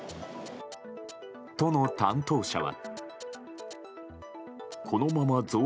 都の担当者は。